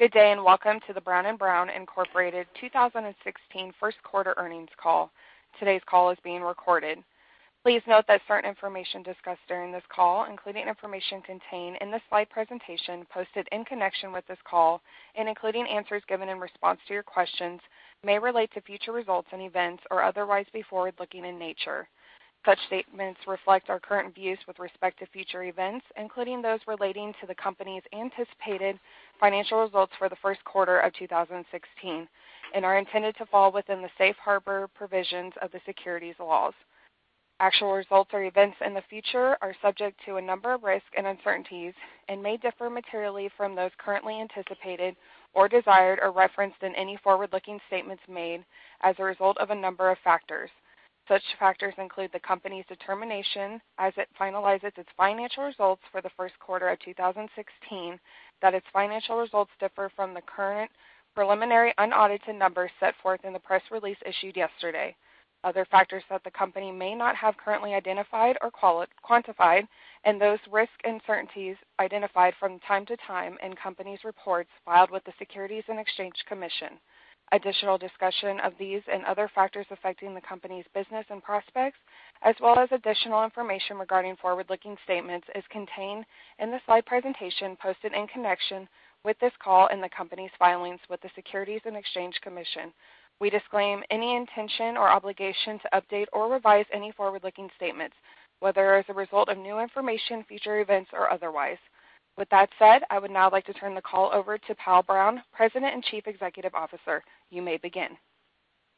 Good day, welcome to the Brown & Brown, Inc. 2016 first quarter earnings call. Today's call is being recorded. Please note that certain information discussed during this call, including information contained in the slide presentation posted in connection with this call, and including answers given in response to your questions may relate to future results and events or otherwise be forward-looking in nature. Such statements reflect our current views with respect to future events, including those relating to the company's anticipated financial results for the first quarter of 2016, and are intended to fall within the safe harbor provisions of the securities laws. Actual results or events in the future are subject to a number of risks and uncertainties and may differ materially from those currently anticipated or desired or referenced in any forward-looking statements made as a result of a number of factors. Such factors include the company's determination, as it finalizes its financial results for the first quarter of 2016, that its financial results differ from the current preliminary unaudited numbers set forth in the press release issued yesterday. Other factors that the company may not have currently identified or quantified, and those risks and uncertainties identified from time to time in company's reports filed with the Securities and Exchange Commission. Additional discussion of these and other factors affecting the company's business and prospects, as well as additional information regarding forward-looking statements, is contained in the slide presentation posted in connection with this call in the company's filings with the Securities and Exchange Commission. We disclaim any intention or obligation to update or revise any forward-looking statements, whether as a result of new information, future events, or otherwise. With that said, I would now like to turn the call over to Powell Brown, President and Chief Executive Officer. You may begin.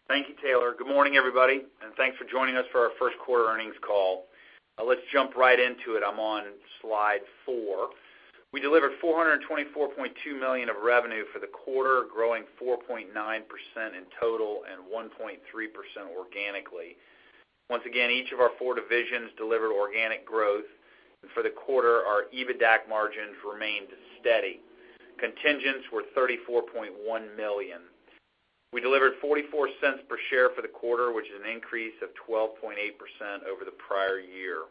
Thank you, Taylor. Good morning, everybody, thanks for joining us for our first quarter earnings call. Let's jump right into it. I'm on slide four. We delivered $424.2 million of revenue for the quarter, growing 4.9% in total and 1.3% organically. Once again, each of our four divisions delivered organic growth, for the quarter, our EBITDA margins remained steady. Contingents were $34.1 million. We delivered $0.44 per share for the quarter, which is an increase of 12.8% over the prior year.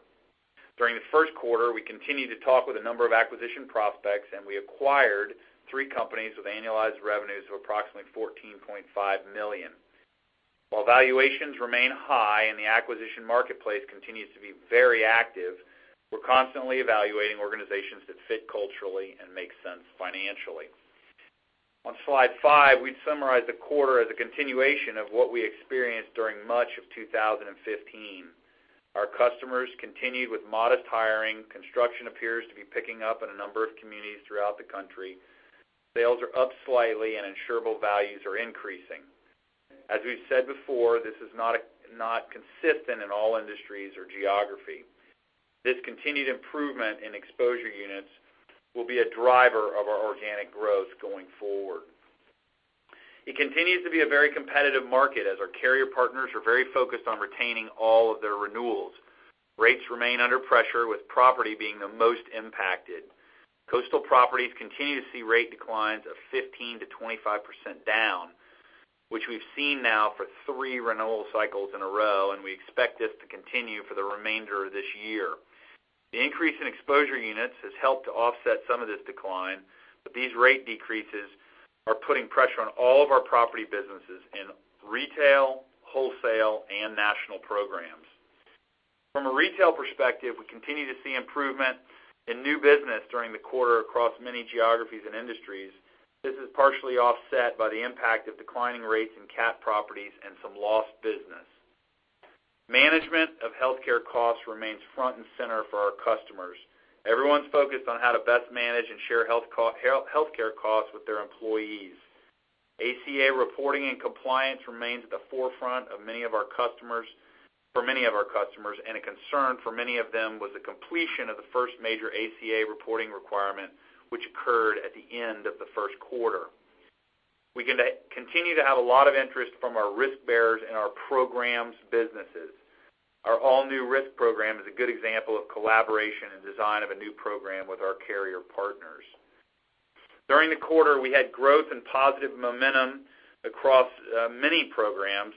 During the first quarter, we continued to talk with a number of acquisition prospects, we acquired three companies with annualized revenues of approximately $14.5 million. While valuations remain high and the acquisition marketplace continues to be very active, we're constantly evaluating organizations that fit culturally and make sense financially. On slide five, we'd summarize the quarter as a continuation of what we experienced during much of 2015. Our customers continued with modest hiring. Construction appears to be picking up in a number of communities throughout the country. Sales are up slightly, and insurable values are increasing. As we've said before, this is not consistent in all industries or geography. This continued improvement in exposure units will be a driver of our organic growth going forward. It continues to be a very competitive market, as our carrier partners are very focused on retaining all of their renewals. Rates remain under pressure, with property being the most impacted. Coastal properties continue to see rate declines of 15%-25% down, which we've seen now for three renewal cycles in a row, and we expect this to continue for the remainder of this year. The increase in exposure units has helped to offset some of this decline. These rate decreases are putting pressure on all of our property businesses in retail, wholesale, and national programs. From a retail perspective, we continue to see improvement in new business during the quarter across many geographies and industries. This is partially offset by the impact of declining rates in cat properties and some lost business. Management of healthcare costs remains front and center for our customers. Everyone's focused on how to best manage and share healthcare costs with their employees. ACA reporting and compliance remains at the forefront for many of our customers, and a concern for many of them was the completion of the first major ACA reporting requirement, which occurred at the end of the first quarter. We continue to have a lot of interest from our risk bearers in our programs businesses. Our all-risk program is a good example of collaboration and design of a new program with our carrier partners. During the quarter, we had growth and positive momentum across many programs,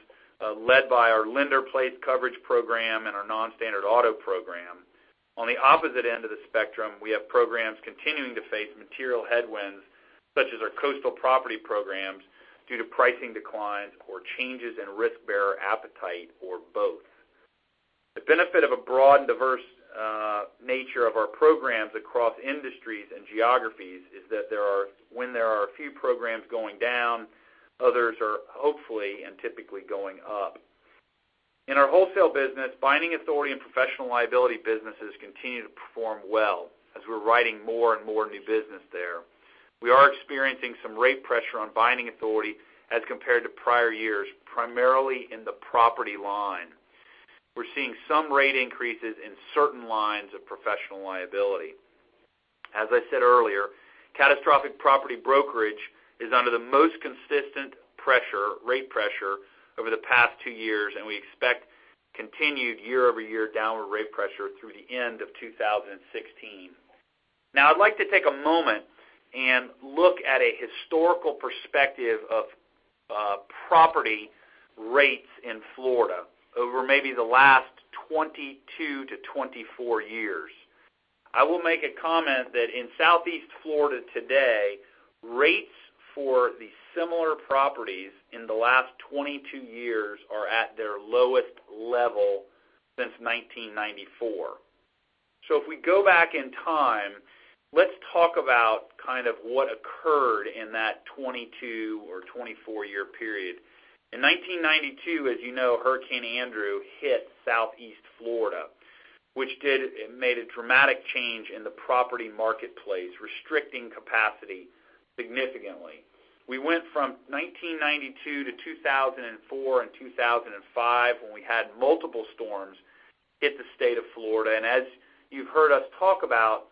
led by our lender-placed coverage program and our non-standard auto program. On the opposite end of the spectrum, we have programs continuing to face material headwinds, such as our coastal property programs, due to pricing declines or changes in risk-bearer appetite or both. The benefit of a broad and diverse nature of our programs across industries and geographies is that when there are a few programs going down, others are hopefully and typically going up. In our wholesale business, binding authority and professional liability businesses continue to perform well as we're writing more and more new business there. We are experiencing some rate pressure on binding authority as compared to prior years, primarily in the property line. We're seeing some rate increases in certain lines of professional liability. As I said earlier, catastrophic property brokerage is under the most consistent rate pressure over the past two years, and we expect continued year-over-year downward rate pressure through the end of 2016. I'd like to take a moment and look at a historical perspective of property rates in Florida over maybe the last 22-24 years. I will make a comment that in Southeast Florida today, rates for the similar properties in the last 22 years are at their lowest level since 1994. If we go back in time, let's talk about what occurred in that 22- or 24-year period. In 1992, as you know, Hurricane Andrew hit Southeast Florida, which made a dramatic change in the property marketplace, restricting capacity significantly. We went from 1992 to 2004 and 2005, when we had multiple storms hit the state of Florida. As you've heard us talk about,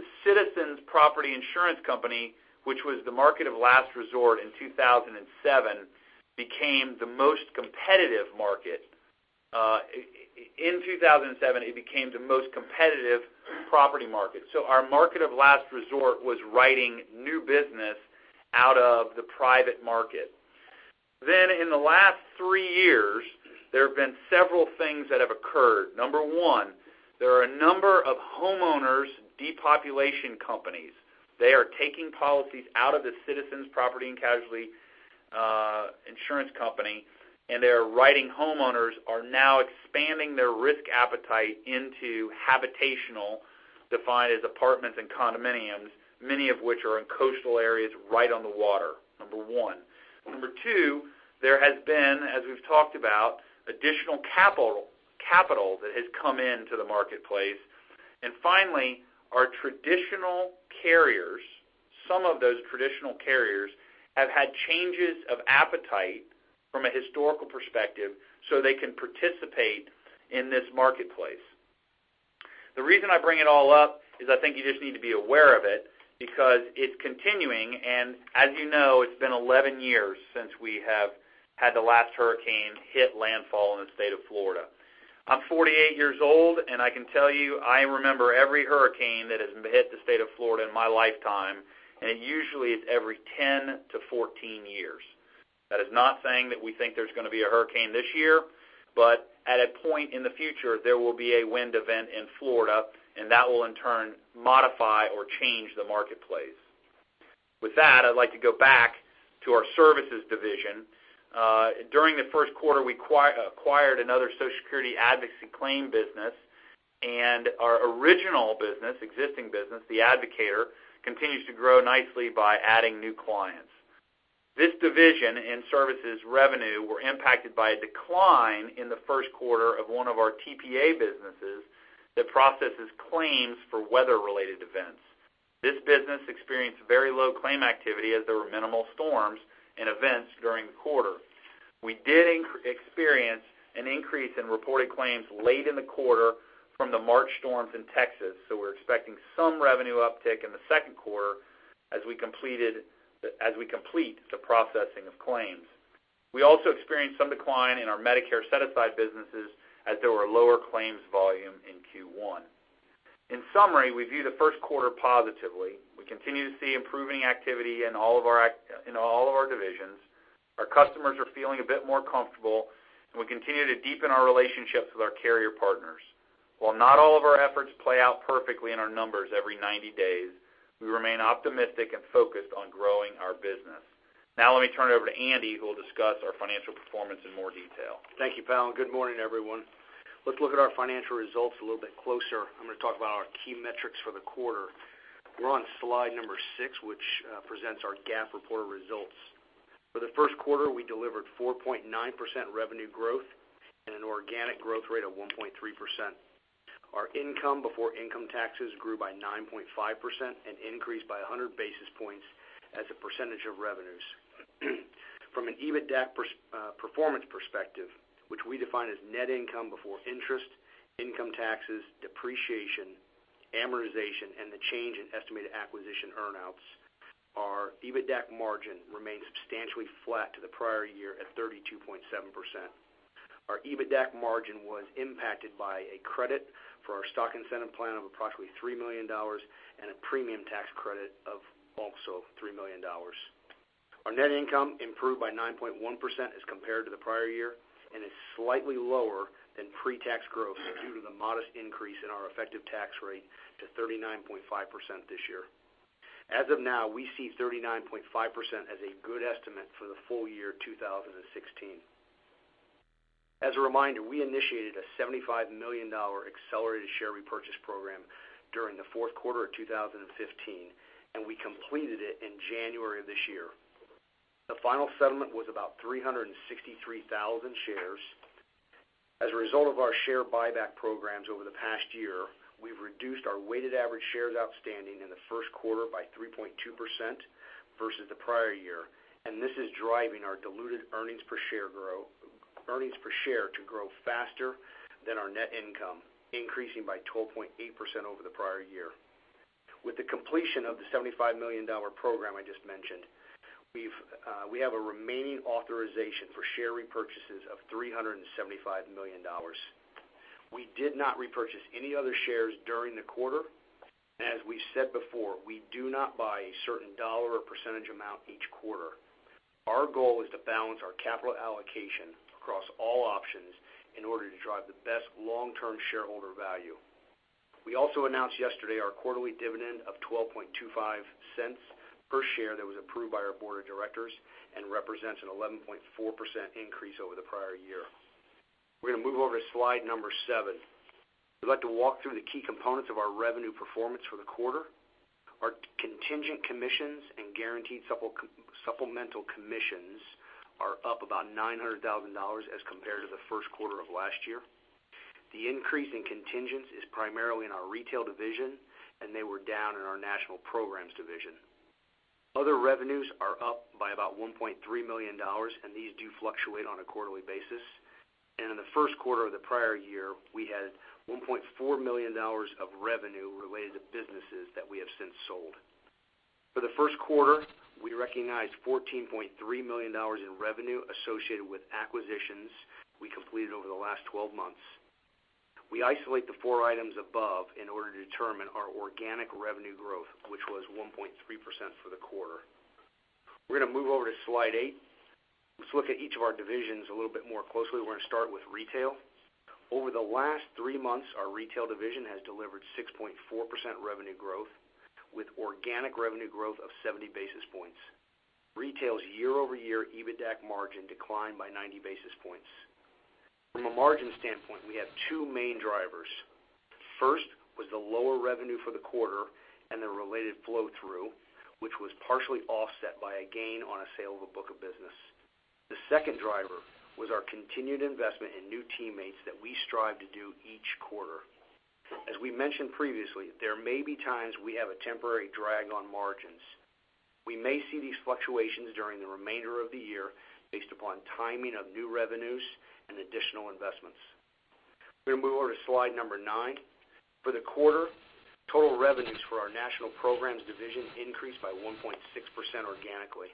the Citizens Property Insurance Corporation, which was the market of last resort in 2007, became the most competitive market. In 2007, it became the most competitive property market. Our market of last resort was writing new business out of the private market. In the last three years, there have been several things that have occurred. Number one, there are a number of homeowners depopulation companies. They are taking policies out of the Citizens Property Insurance Corporation, and they're writing homeowners are now expanding their risk appetite into habitational, defined as apartments and condominiums, many of which are in coastal areas right on the water, number one. Number two, there has been, as we've talked about, additional capital that has come into the marketplace. Finally, our traditional carriers, some of those traditional carriers, have had changes of appetite from a historical perspective so they can participate in this marketplace. The reason I bring it all up is I think you just need to be aware of it, because it's continuing, and as you know, it's been 11 years since we have had the last hurricane hit landfall in the state of Florida. I'm 48 years old, and I can tell you, I remember every hurricane that has hit the state of Florida in my lifetime, and it usually is every 10-14 years. That is not saying that we think there's going to be a hurricane this year, at a point in the future, there will be a wind event in Florida, and that will, in turn, modify or change the marketplace. With that, I'd like to go back to our services division. During the first quarter, we acquired another Social Security advocacy claim business, and our original business, existing business, The Advocator, continues to grow nicely by adding new clients. This division in services revenue were impacted by a decline in the first quarter of one of our TPA businesses that processes claims for weather-related events. This business experienced very low claim activity as there were minimal storms and events during the quarter. We did experience an increase in reported claims late in the quarter from the March storms in Texas, we're expecting some revenue uptick in the second quarter as we complete the processing of claims. We also experienced some decline in our Medicare set-aside businesses as there were lower claims volume in Q1. In summary, we view the first quarter positively. We continue to see improving activity in all of our divisions. Our customers are feeling a bit more comfortable, and we continue to deepen our relationships with our carrier partners. While not all of our efforts play out perfectly in our numbers every 90 days, we remain optimistic and focused on growing our business. Now let me turn it over to Andy, who will discuss our financial performance in more detail. Thank you, Powell. Good morning, everyone. Let's look at our financial results a little bit closer. I'm going to talk about our key metrics for the quarter. We're on slide number six, which presents our GAAP reported results. For the first quarter, we delivered 4.9% revenue growth and an organic growth rate of 1.3%. Our income before income taxes grew by 9.5% and increased by 100 basis points as a percentage of revenues. From an EBITDAC performance perspective, which we define as net income before interest, income taxes, depreciation, amortization, and the change in estimated acquisition earn-outs, our EBITDAC margin remained substantially flat to the prior year at 32.7%. Our EBITDAC margin was impacted by a credit for our stock incentive plan of approximately $3 million and a premium tax credit of also $3 million. Our net income improved by 9.1% as compared to the prior year and is slightly lower than pre-tax growth due to the modest increase in our effective tax rate to 39.5% this year. As of now, we see 39.5% as a good estimate for the full year 2016. As a reminder, we initiated a $75 million Accelerated Share Repurchase program during the fourth quarter of 2015. We completed it in January of this year. The final settlement was about 363,000 shares. As a result of our share buyback programs over the past year, we've reduced our weighted average shares outstanding in the first quarter by 3.2% versus the prior year. This is driving our diluted earnings per share to grow faster than our net income, increasing by 12.8% over the prior year. With the completion of the $75 million program I just mentioned, we have a remaining authorization for share repurchases of $375 million. We did not repurchase any other shares during the quarter. As we've said before, we do not buy a certain dollar or percentage amount each quarter. Our goal is to balance our capital allocation across all options in order to drive the best long-term shareholder value. We also announced yesterday our quarterly dividend of $0.1225 per share that was approved by our board of directors and represents an 11.4% increase over the prior year. We're going to move over to slide number seven. We'd like to walk through the key components of our revenue performance for the quarter. Our contingent commissions and guaranteed supplemental commissions are up about $900,000 as compared to the first quarter of last year. The increase in contingents is primarily in our retail division. They were down in our national programs division. Other revenues are up by about $1.3 million. These do fluctuate on a quarterly basis. In the first quarter of the prior year, we had $1.4 million of revenue related to businesses that we have since sold. For the first quarter, we recognized $14.3 million in revenue associated with acquisitions we completed over the last 12 months. We isolate the four items above in order to determine our organic revenue growth, which was 1.3% for the quarter. We're going to move over to slide eight. Let's look at each of our divisions a little bit more closely. We're going to start with retail. Over the last three months, our retail division has delivered 6.4% revenue growth with organic revenue growth of 70 basis points. Retail's year-over-year EBITDAC margin declined by 90 basis points. From a margin standpoint, we have two main drivers. First was the lower revenue for the quarter and the related flow-through, which was partially offset by a gain on a sale of a book of business. The second driver was our continued investment in new teammates that we strive to do each quarter. As we mentioned previously, there may be times we have a temporary drag on margins. We may see these fluctuations during the remainder of the year based upon timing of new revenues and additional investments. We're going to move over to slide number nine. For the quarter, total revenues for our National Programs Division increased by 1.6% organically.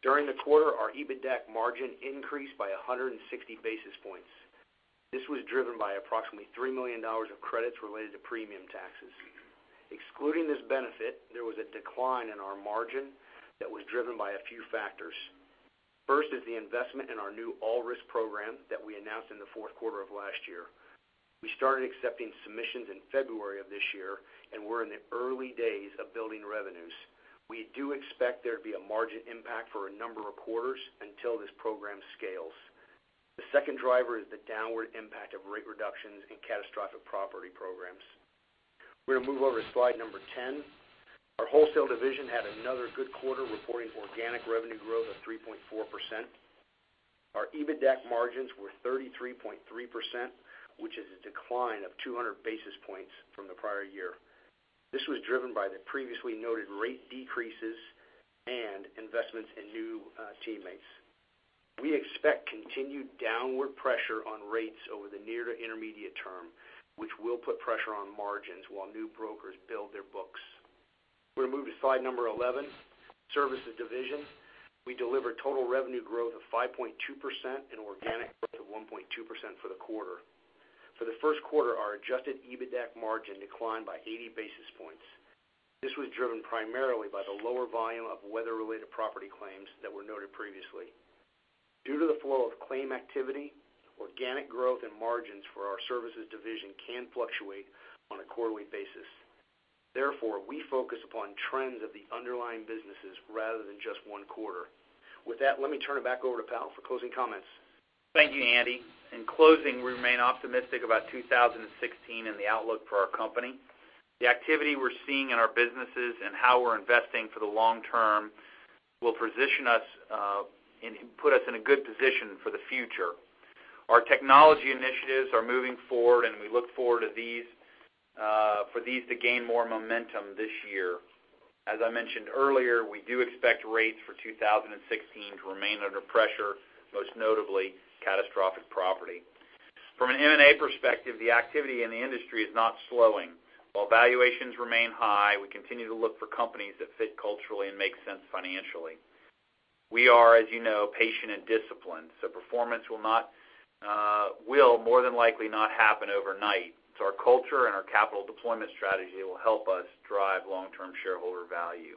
During the quarter, our EBITDAC margin increased by 160 basis points. This was driven by approximately $3 million of credits related to premium taxes. Excluding this benefit, there was a decline in our margin that was driven by a few factors. First is the investment in our new all-risk program that we announced in the fourth quarter of last year. We started accepting submissions in February of this year, and we're in the early days of building revenues. We do expect there to be a margin impact for a number of quarters until this program scales. The second driver is the downward impact of rate reductions in catastrophic property programs. We're going to move over to slide number 10. Our Wholesale Division had another good quarter, reporting organic revenue growth of 3.4%. Our EBITDAC margins were 33.3%, which is a decline of 200 basis points from the prior year. This was driven by the previously noted rate decreases and investments in new teammates. We expect continued downward pressure on rates over the near to intermediate term, which will put pressure on margins while new brokers build their books. We're going to move to slide number 11. Services Division. We delivered total revenue growth of 5.2% and organic growth of 1.2% for the quarter. For the first quarter, our adjusted EBITDAC margin declined by 80 basis points. This was driven primarily by the lower volume of weather-related property claims that were noted previously. Due to the flow of claim activity, organic growth and margins for our Services Division can fluctuate on a quarterly basis. Therefore, we focus upon trends of the underlying businesses rather than just one quarter. With that, let me turn it back over to Powell for closing comments. Thank you, Andy. In closing, we remain optimistic about 2016 and the outlook for our company. The activity we're seeing in our businesses and how we're investing for the long term will position us and put us in a good position for the future. Our technology initiatives are moving forward, and we look forward for these to gain more momentum this year. As I mentioned earlier, we do expect rates for 2016 to remain under pressure, most notably catastrophic property. From an M&A perspective, the activity in the industry is not slowing. While valuations remain high, we continue to look for companies that fit culturally and make sense financially. We are, as you know, patient and disciplined, so performance will more than likely not happen overnight, so our culture and our capital deployment strategy will help us drive long-term shareholder value.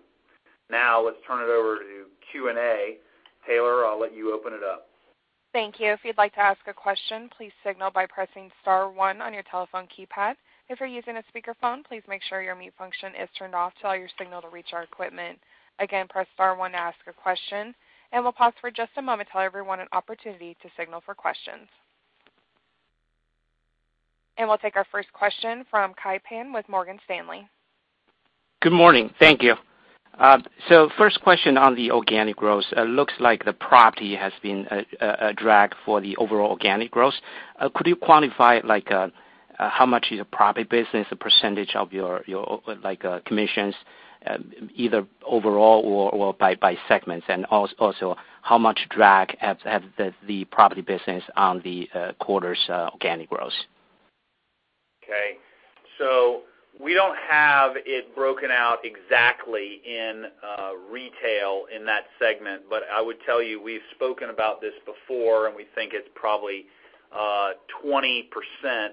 Now let's turn it over to Q&A. Taylor, I'll let you open it up. Thank you. If you'd like to ask a question, please signal by pressing *1 on your telephone keypad. If you're using a speakerphone, please make sure your mute function is turned off to allow your signal to reach our equipment. Again, press *1 to ask a question, and we'll pause for just a moment to allow everyone an opportunity to signal for questions. We'll take our first question from Kai Pan with Morgan Stanley. Good morning. Thank you. First question on the organic growth. It looks like the property has been a drag for the overall organic growth. Could you quantify how much is a property business, a % of your commissions, either overall or by segments? Also, how much drag has the property business on the quarter's organic growth? Okay. We don't have it broken out exactly in retail in that segment, I would tell you, we've spoken about this before, we think it's probably 20%,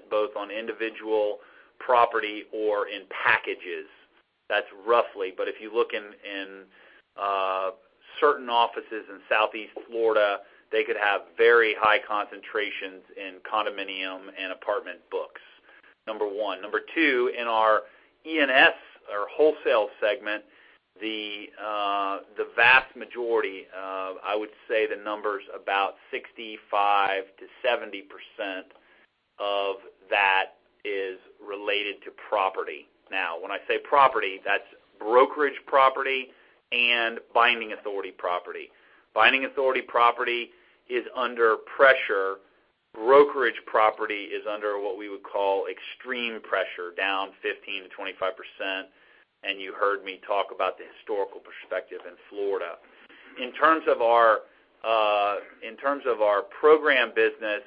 both on individual property or in packages. That's roughly. If you look in certain offices in Southeast Florida, they could have very high concentrations in condominium and apartment books, number one. Number two, in our E&S, our wholesale segment, the vast majority of, I would say the number's about 65%-70% of that is related to property. When I say property, that's brokerage property and binding authority property. Binding authority property is under pressure. Brokerage property is under what we would call extreme pressure, down 15%-25%, you heard me talk about the historical perspective in Florida. In terms of our program business,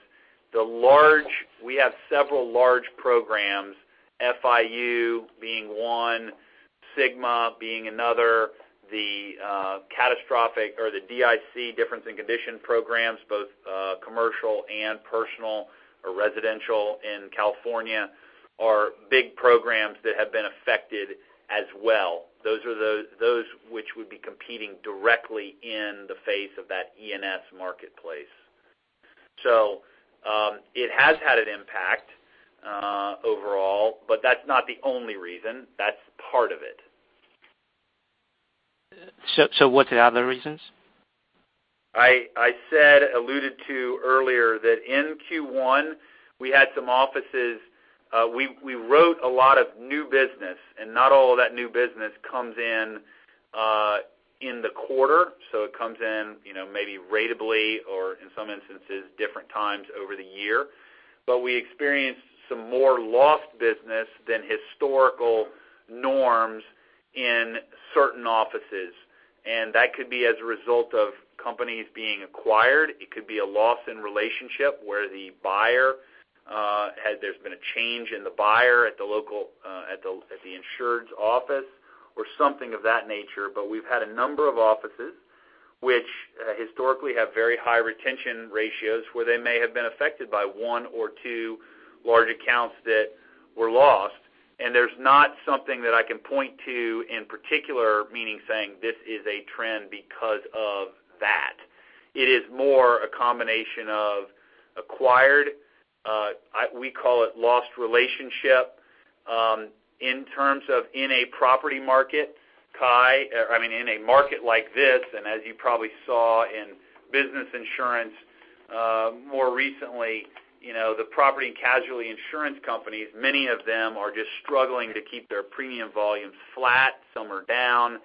we have several large programs, FIU being one, Sigma being another, the catastrophic or the DIC, difference in condition programs, both commercial and personal or residential in California are big programs that have been affected as well. Those which would be competing directly in the face of that E&S marketplace. It has had an impact overall, but that's not the only reason. That's part of it. What's the other reasons? I said, alluded to earlier, that in Q1, we had some offices, we wrote a lot of new business, and not all of that new business comes in in the quarter. It comes in maybe ratably or in some instances, different times over the year. We experienced some more lost business than historical norms in certain offices. That could be as a result of companies being acquired. It could be a loss in relationship where there's been a change in the buyer at the insured's office or something of that nature. We've had a number of offices which historically have very high retention ratios, where they may have been affected by one or two large accounts that were lost. There's not something that I can point to in particular, meaning saying this is a trend because of that. It is more a combination of acquired, we call it lost relationship, in terms of in a property market, Kai, I mean, in a market like this, and as you probably saw in Business Insurance, more recently, the property and casualty insurance companies, many of them are just struggling to keep their premium volumes flat. Some are down.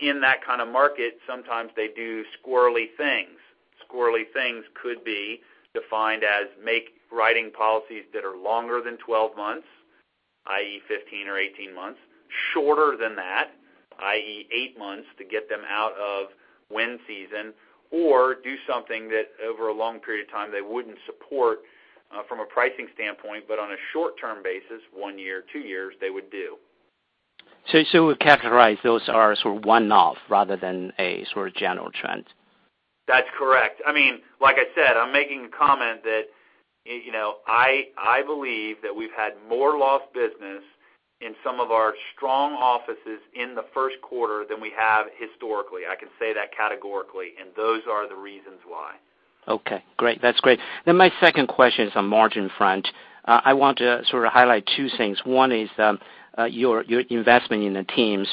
In that kind of market, sometimes they do squirrely things. Squirrely things could be defined as make writing policies that are longer than 12 months, i.e., 15 or 18 months, shorter than that, i.e., eight months to get them out of wind season or do something that over a long period of time they wouldn't support, from a pricing standpoint, but on a short term basis, one year, two years, they would do. You would categorize those are sort of one-off rather than a sort of general trend? That's correct. Like I said, I'm making a comment that I believe that we've had more lost business in some of our strong offices in the first quarter than we have historically. I can say that categorically, those are the reasons why. Okay, great. That's great. My second question is on margin front. I want to sort of highlight two things. One is your investment in the teams.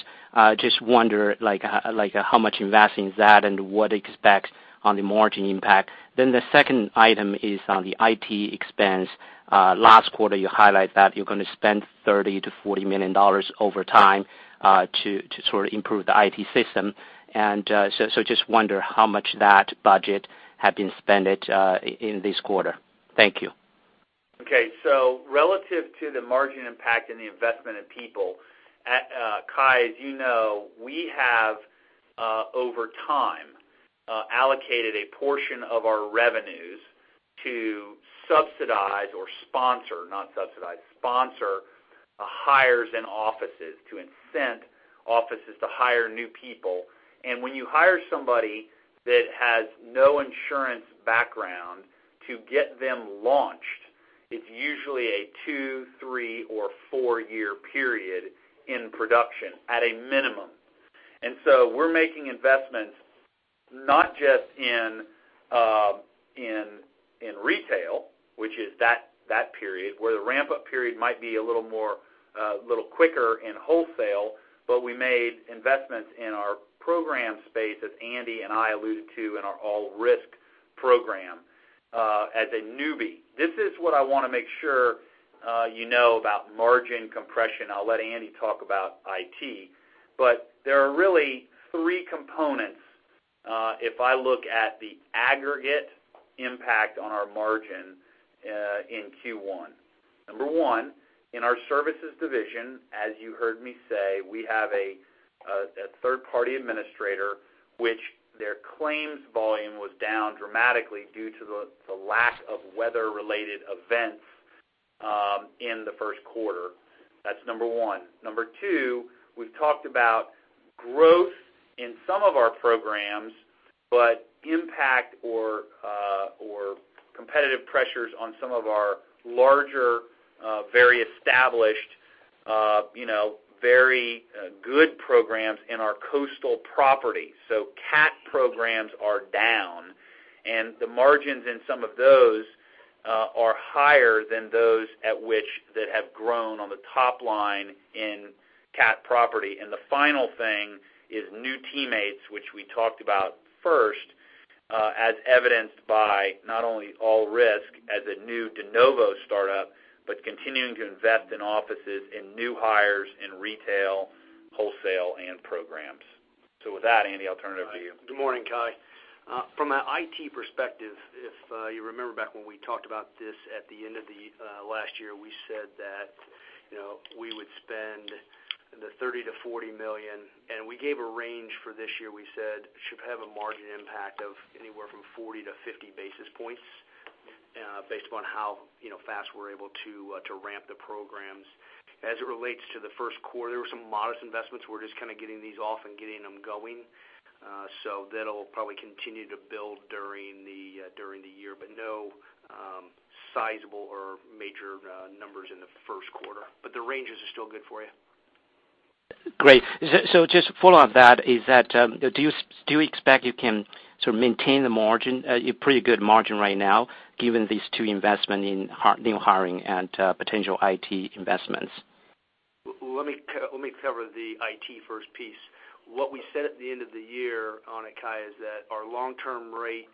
Just wonder how much investing is that and what to expect on the margin impact. The second item is on the IT expense. Last quarter, you highlight that you're going to spend $30 million-$40 million over time, to sort of improve the IT system. Just wonder how much that budget had been spent in this quarter. Thank you. Okay. Relative to the margin impact and the investment in people, Kai, as you know, we have, over time, allocated a portion of our revenues to subsidize or sponsor, not subsidize, sponsor hires in offices to incent offices to hire new people. When you hire somebody that has no insurance background to get them launched, it's usually a two, three, or four-year period in production at a minimum. We're making investments not just in retail, which is that period where the ramp-up period might be a little quicker in wholesale, but we made investments in our program space, as Andy and I alluded to in our all-risk program, as a newbie. This is what I want to make sure you know about margin compression. I'll let Andy talk about IT. There are really three components, if I look at the aggregate impact on our margin in Q1. Number one, in our services division, as you heard me say, we have a third party administrator, which their claims volume was down dramatically due to the lack of weather-related events in the first quarter. That's number one. Number two, we've talked about growth in some of our programs, but impact or competitive pressures on some of our larger, very established, very good programs in our coastal property. CAT programs are down, and the margins in some of those are higher than those at which that have grown on the top line in CAT property. The final thing is new teammates, which we talked about first, as evidenced by not only all-risk as a new de novo startup, but continuing to invest in offices, in new hires, in retail, wholesale, and programs. With that, Andy, I'll turn it over to you. Good morning, Kai. From an IT perspective, if you remember back when we talked about this at the end of the last year, we said that we would spend the $30 million-$40 million, and we gave a range for this year. We said it should have a margin impact of anywhere from 40-50 basis points based upon how fast we're able to ramp the programs. As it relates to the first quarter, there were some modest investments. We're just kind of getting these off and getting them going. That'll probably continue to build during the year, but no sizable or major numbers in the first quarter. The ranges are still good for you. Great. Just follow on that, do you expect you can sort of maintain the margin? You're pretty good margin right now, given these two investment in new hiring and potential IT investments. Let me cover the IT first piece. What we said at the end of the year on it, Kai, is that our long term rate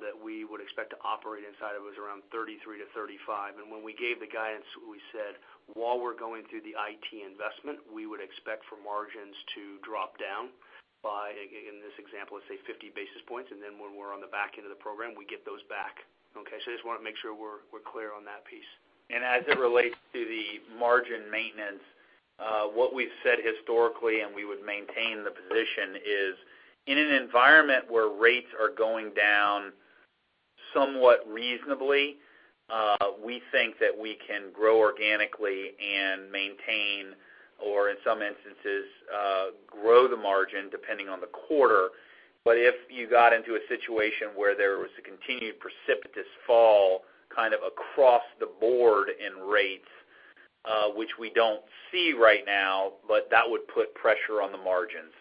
that we would expect to operate inside of was around 33-35. When we gave the guidance, we said while we're going through the IT investment, we would expect for margins to drop down by, in this example, let's say 50 basis points. Then when we're on the back end of the program, we get those back. Okay? I just want to make sure we're clear on that piece. As it relates to the margin maintenance, what we've said historically, and we would maintain the position, is in an environment where rates are going down somewhat reasonably we think that we can grow organically and maintain, or in some instances grow the margin, depending on the quarter. If you got into a situation where there was a continued precipitous fall kind of across the board in rates which we don't see right now, but that would put pressure on the margins.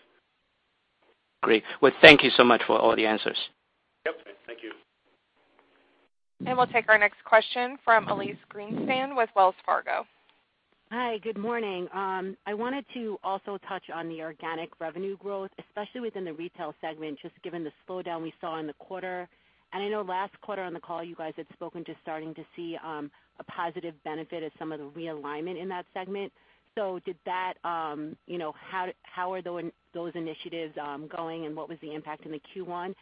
Great. Well, thank you so much for all the answers. Yep. Thank you. We'll take our next question from Elyse Greenspan with Wells Fargo. Hi, good morning. I wanted to also touch on the organic revenue growth, especially within the retail segment, just given the slowdown we saw in the quarter. I know last quarter on the call, you guys had spoken to starting to see a positive benefit of some of the realignment in that segment. How are those initiatives going, and what was the impact in the Q1?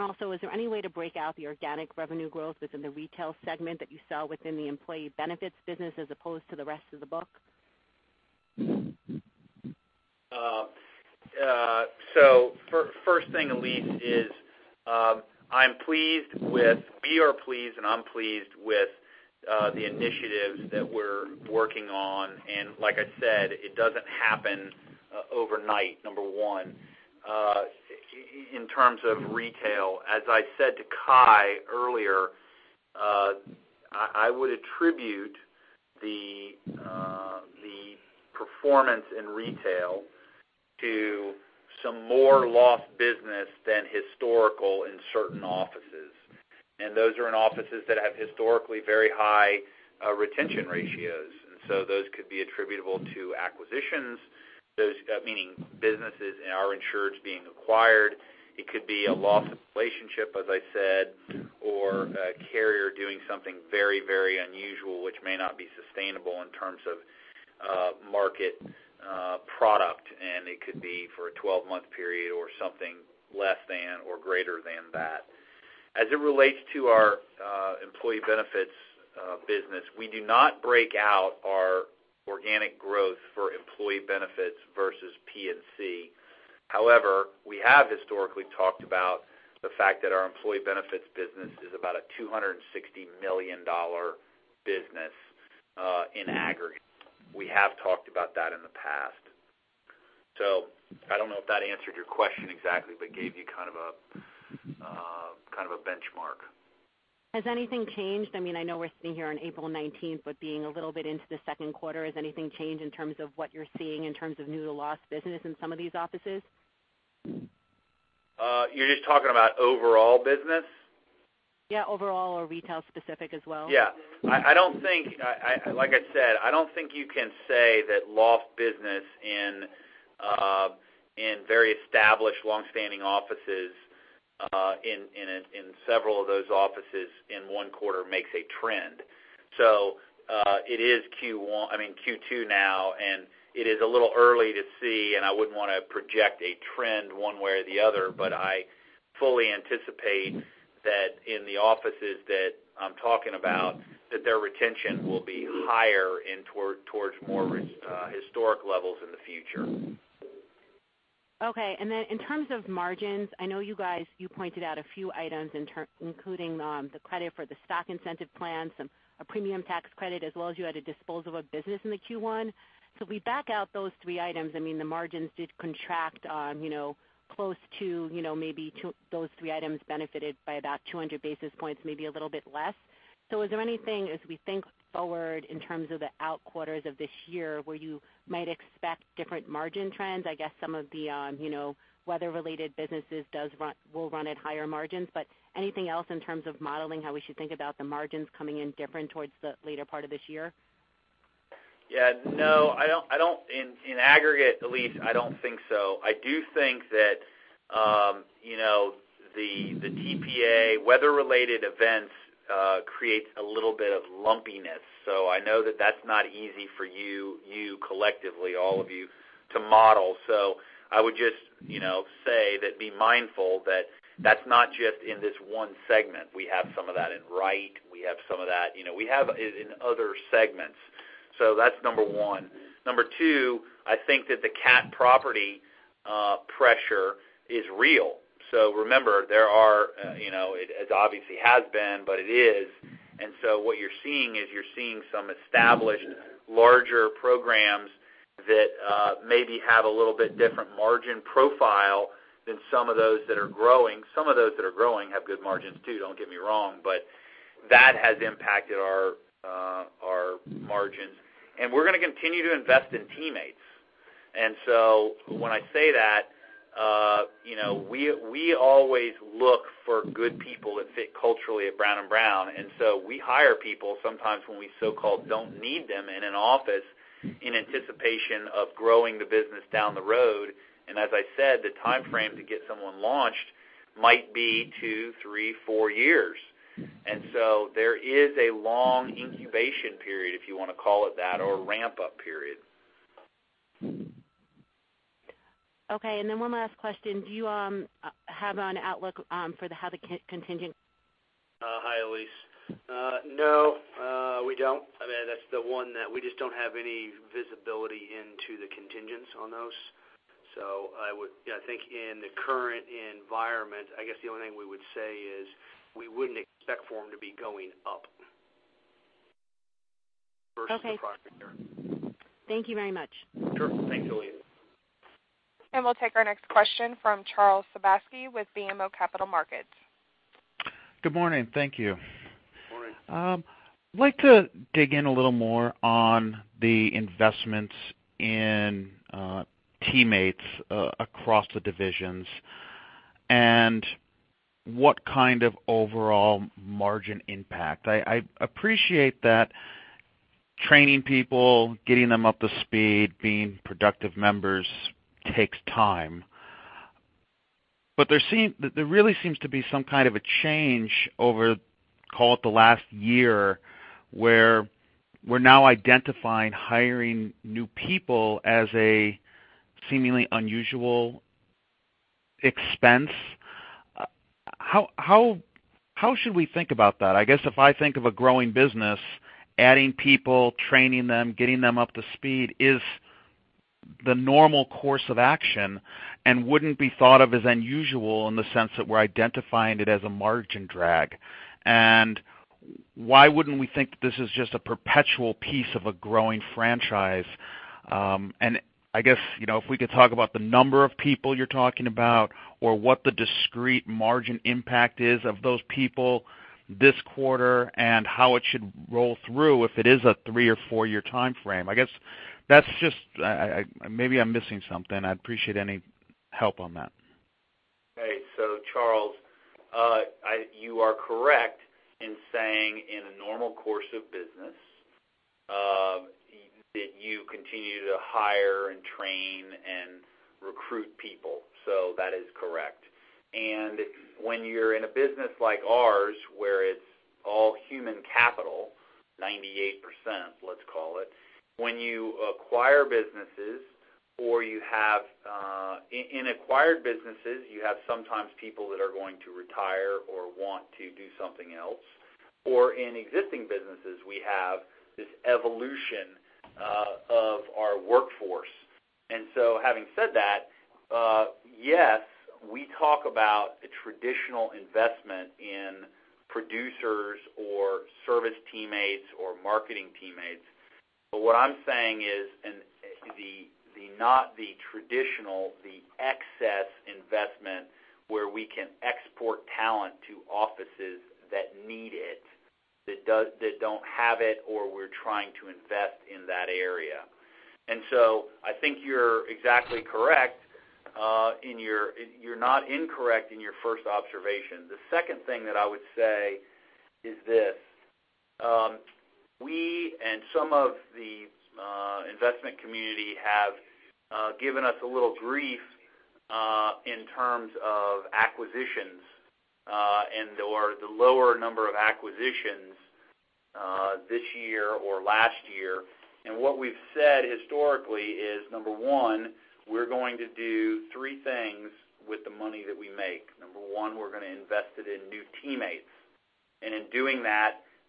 Also, is there any way to break out the organic revenue growth within the retail segment that you saw within the employee benefits business as opposed to the rest of the book? First thing, Elyse, is we are pleased, and I'm pleased with the initiatives that we're working on. Like I said, it doesn't happen overnight, number one. In terms of retail, as I said to Kai earlier I would attribute the performance in retail to some more lost business than historical in certain offices. Those are in offices that have historically very high retention ratios. Those could be attributable to acquisitions, meaning businesses and our insureds being acquired. It could be a loss of relationship, as I said, or a carrier doing something very unusual, which may not be sustainable in terms of market product. It could be for a 12 month period or something less than or greater than that. As it relates to our employee benefits business, we do not break out our organic growth for employee benefits versus P&C. However, we have historically talked about the fact that our employee benefits business is about a $260 million business in aggregate. We have talked about that in the past. I don't know if that answered your question exactly, but gave you kind of a benchmark. Has anything changed? I know we're sitting here on April 19th, but being a little bit into the second quarter, has anything changed in terms of what you're seeing in terms of new to lost business in some of these offices? You're just talking about overall business? Yeah, overall or retail specific as well. Yeah. Like I said, I don't think you can say that lost business in very established, long standing offices in several of those offices in one quarter makes a trend. It is Q2 now, and it is a little early to see, and I wouldn't want to project a trend one way or the other. I fully anticipate that in the offices that I'm talking about, that their retention will be higher and towards more historic levels in the future. Okay. In terms of margins, I know you guys, you pointed out a few items, including the credit for the stock incentive plan, a premium tax credit, as well as you had a disposal of business in the Q1. We back out those three items, the margins did contract on close to maybe those three items benefited by about 200 basis points, maybe a little bit less. Is there anything as we think forward in terms of the out quarters of this year where you might expect different margin trends? I guess some of the weather-related businesses will run at higher margins. Anything else in terms of modeling how we should think about the margins coming in different towards the later part of this year? Yeah. No, in aggregate, Elyse, I don't think so. I do think that the TPA weather-related events creates a little bit of lumpiness. I know that that's not easy for you, collectively, all of you, to model. I would just say that be mindful that's not just in this one segment. We have some of that in Wright. We have it in other segments. That's number one. Number two, I think that the cat property pressure is real. Remember, it obviously has been, but it is. What you're seeing is you're seeing some established larger programs that maybe have a little bit different margin profile than some of those that are growing. Some of those that are growing have good margins too, don't get me wrong. That has impacted our margins. We're going to continue to invest in teammates. When I say that, we always look for good people that fit culturally at Brown & Brown, we hire people sometimes when we so-called don't need them in an office in anticipation of growing the business down the road. As I said, the timeframe to get someone launched might be two, three, four years. There is a long incubation period, if you want to call it that, or ramp-up period. Okay. One last question. Do you have an outlook for the contingent? Hi, Elyse. No, we don't. That's the one that we just don't have any visibility into the contingents on those. I think in the current environment, I guess the only thing we would say is we wouldn't expect for them to be going up versus the prior year. Okay. Thank you very much. Sure. Thanks, Elyse. We'll take our next question from Charles Sebaski with BMO Capital Markets. Good morning. Thank you. Good morning. I'd like to dig in a little more on the investments in teammates across the divisions and what kind of overall margin impact. I appreciate that training people, getting them up to speed, being productive members takes time. There really seems to be some kind of a change over, call it the last year, where we're now identifying hiring new people as a seemingly unusual expense. How should we think about that? I guess if I think of a growing business, adding people, training them, getting them up to speed is the normal course of action and wouldn't be thought of as unusual in the sense that we're identifying it as a margin drag. Why wouldn't we think that this is just a perpetual piece of a growing franchise? I guess, if we could talk about the number of people you're talking about or what the discrete margin impact is of those people this quarter and how it should roll through if it is a three or four-year timeframe. I guess maybe I'm missing something. I'd appreciate any help on that. Charles, you are correct in saying in a normal course of business, that you continue to hire and train and recruit people. That is correct. When you're in a business like ours, where it's all human capital, 98%, let's call it. When you acquire businesses or in acquired businesses, you have sometimes people that are going to retire or want to do something else. In existing businesses, we have this evolution of our workforce. Having said that, yes, we talk about a traditional investment in producers or service teammates or marketing teammates. What I'm saying is not the traditional, the excess investment where we can export talent to offices that need it, that don't have it, or we're trying to invest in that area. I think you're exactly correct. You're not incorrect in your first observation. The second thing that I would say is this. We and some of the investment community have given us a little grief in terms of acquisitions, and/or the lower number of acquisitions this year or last year. What we've said historically is, Number one, we're going to do three things with the money that we make. Number one, we're going to invest it in new teammates. In doing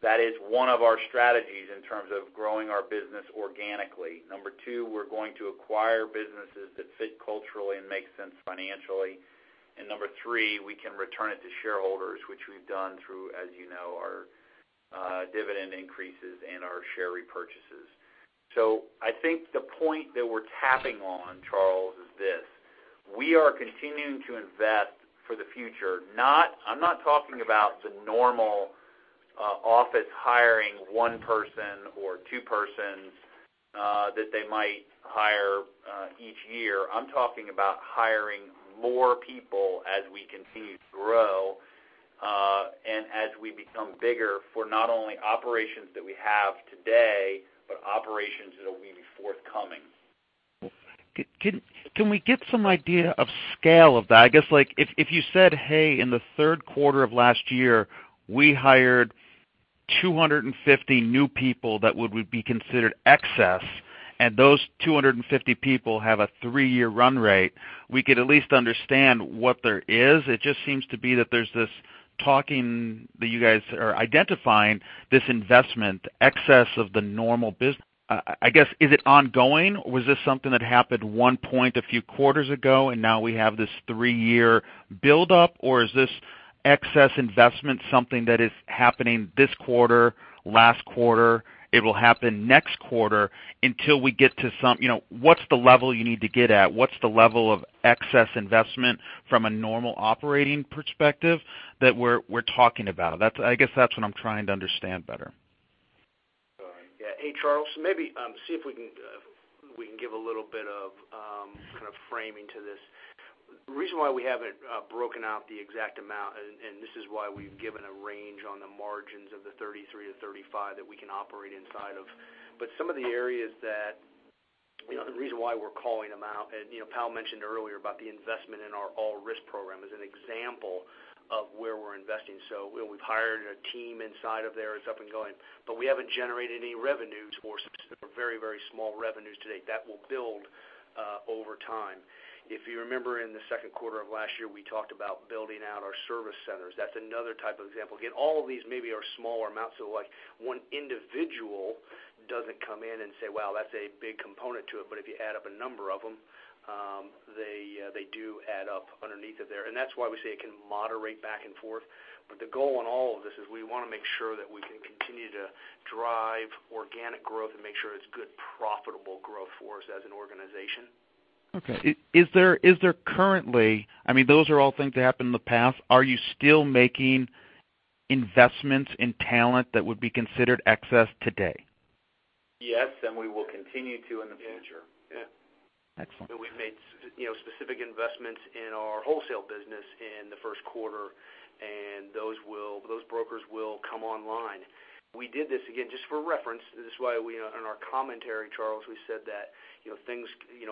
that is one of our strategies in terms of growing our business organically. Number two, we're going to acquire businesses that fit culturally and make sense financially. Number three, we can return it to shareholders, which we've done through, as you know, our dividend increases and our share repurchases. I think the point that we're tapping on, Charles, is this, we are continuing to invest for the future. I'm not talking about the normal office hiring one person or two persons that they might hire each year. I'm talking about hiring more people as we continue to grow and as we become bigger for not only operations that we have today, but operations that will be forthcoming. Can we get some idea of scale of that? I guess, if you said, "Hey, in the third quarter of last year, we hired 250 new people that would be considered excess, and those 250 people have a three-year run rate," we could at least understand what there is. It just seems to be that there's this talking that you guys are identifying this investment excess of the normal business. I guess, is it ongoing, or was this something that happened one point a few quarters ago, and now we have this three-year buildup? Or is this excess investment something that is happening this quarter, last quarter, it will happen next quarter until we get to some. What's the level you need to get at? What's the level of excess investment from a normal operating perspective that we're talking about? I guess that's what I'm trying to understand better. Sorry. Yeah. Hey, Charles, maybe see if we can give a little bit of framing to this. The reason why we haven't broken out the exact amount, and this is why we've given a range on the margins of the 33%-35% that we can operate inside of. Some of the areas that the reason why we're calling them out, and Powell mentioned earlier about the investment in our all-risk program as an example of where we're investing. We've hired a team inside of there. It's up and going. We haven't generated any revenues or very small revenues today. That will build over time. If you remember, in the second quarter of last year, we talked about building out our service centers. That's another type of example. Again, all of these maybe are smaller amounts to like one individual doesn't come in and say, "Wow, that's a big component to it." If you add up a number of them, they do add up underneath it there. That's why we say it can moderate back and forth. The goal on all of this is we want to make sure that we can continue to drive organic growth and make sure it's good profitable growth for us as an organization. Okay. I mean, those are all things that happened in the past. Are you still making investments in talent that would be considered excess today? Yes, we will continue to in the future. Yeah. Excellent. We've made specific investments in our wholesale business in the first quarter, and those brokers will come online. We did this, again, just for reference, this is why in our commentary, Charles, we said that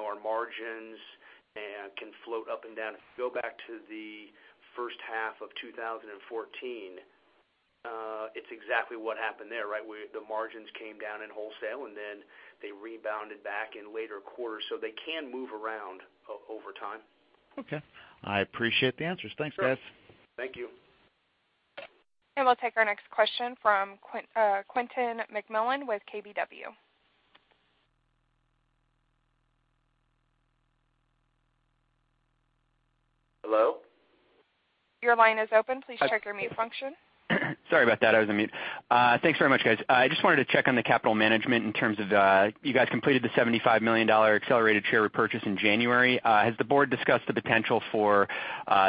our margins can float up and down. If you go back to the first half of 2014, it's exactly what happened there, right? The margins came down in wholesale, and then they rebounded back in later quarters, so they can move around over time. Okay. I appreciate the answers. Thanks, guys. Sure. Thank you. We'll take our next question from Quentin McMillan with KBW. Hello? Your line is open. Please check your mute function. Sorry about that. I was on mute. Thanks very much, guys. I just wanted to check on the capital management in terms of you guys completed the $75 million accelerated share repurchase in January. Has the board discussed the potential for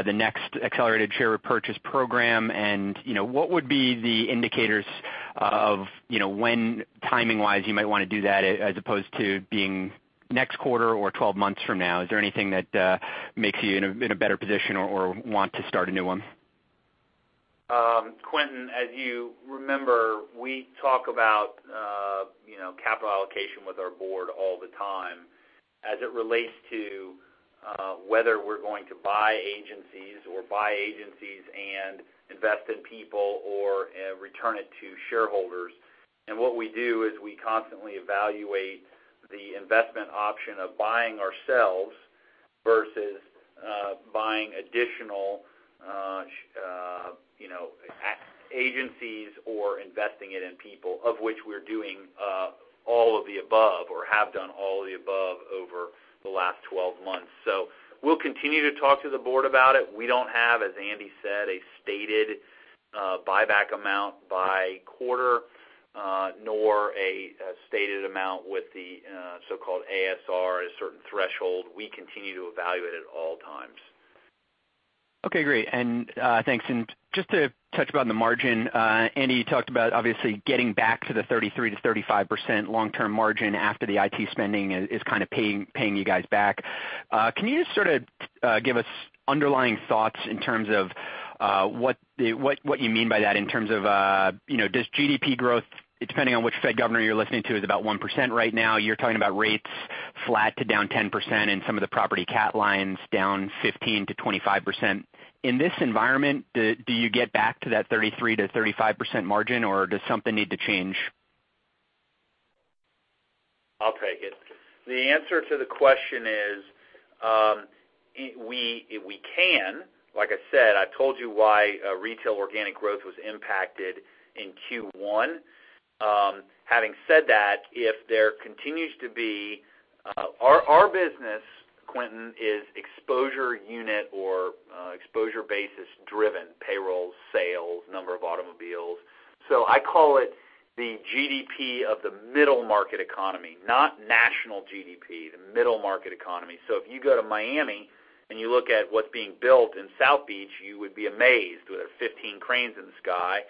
the next accelerated share repurchase program? What would be the indicators of when timing-wise you might want to do that as opposed to being next quarter or 12 months from now? Is there anything that makes you in a better position or want to start a new one? Quentin, as you remember, we talk about capital allocation with our board all the time as it relates to whether we're going to buy agencies or buy agencies and invest in people or return it to shareholders. What we do is we constantly evaluate the investment option of buying ourselves versus buying additional agencies or investing it in people, of which we're doing all of the above or have done all of the above over the last 12 months. We'll continue to talk to the board about it. We don't have, as Andy said, a stated buyback amount by quarter, nor a stated amount with the so-called ASR, a certain threshold. We continue to evaluate at all times. Okay, great. Thanks. Just to touch upon the margin, Andy, you talked about obviously getting back to the 33%-35% long-term margin after the IT spending is kind of paying you guys back. Can you just sort of give us underlying thoughts in terms of what you mean by that in terms of, does GDP growth, depending on which Fed governor you're listening to, is about 1% right now. You're talking about rates flat to down 10% and some of the property cat lines down 15%-25%. In this environment, do you get back to that 33%-35% margin, or does something need to change? Okay. Good. The answer to the question is, if we can, like I said, I've told you why retail organic growth was impacted in Q1. Having said that, our business, Quentin, is exposure unit or exposure basis driven. Payrolls, sales, number of automobiles. I call it the GDP of the middle market economy, not national GDP, the middle market economy. If you go to Miami and you look at what's being built in South Beach, you would be amazed. There are 15 cranes in the sky.